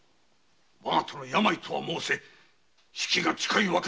我が殿病とは申せ死期が近いわけではない！